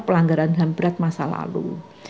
pelanggaran ham berat masa lalu